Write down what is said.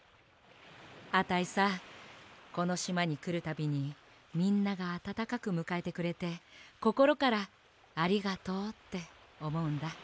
あたいさこのしまにくるたびにみんながあたたかくむかえてくれてこころからありがとうっておもうんだ。